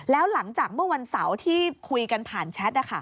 แล้วหลังจากเมื่อวันเสาร์ที่คุยกันผ่านแชท